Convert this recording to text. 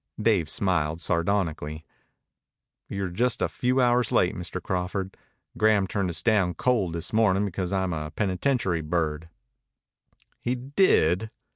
Dave smiled sardonically. "You're just a few hours late, Mr. Crawford. Graham turned us down cold this morning because I'm a penitentiary bird." "He did?"